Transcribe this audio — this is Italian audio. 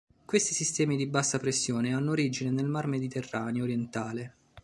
Questi sistemi di bassa pressione hanno origine nel Mar Mediterraneo orientale.